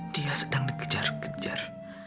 dia sedang ngejar kejar